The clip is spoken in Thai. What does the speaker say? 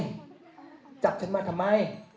แล้วจับฉันมาทำไม